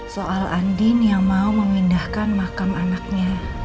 soal andin yang mau memindahkan makam anaknya